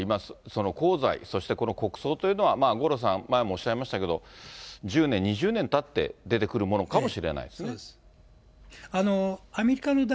その功罪、そしてこの国葬というのは、五郎さん、前もおっしゃいましたけど、１０年、２０年たって出てくるものかもしれないですね。